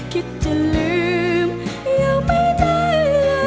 คิดจะลืมยังไม่ได้